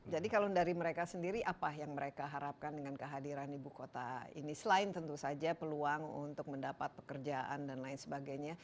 jadi kalau dari mereka sendiri apa yang mereka harapkan dengan kehadiran ibu kota ini selain tentu saja peluang untuk mendapat pekerjaan dan lain sebagainya